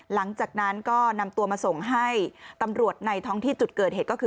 หลังจากนั้นก็นำตัวมาส่งให้ตำรวจในท้องที่จุดเกิดเหตุก็คือ